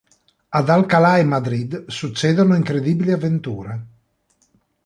Ad Alcalà e Madrid succedono incredibili avventure.